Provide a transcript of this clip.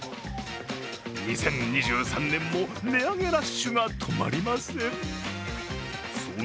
２０２３年も値上げラッシュが止まりません。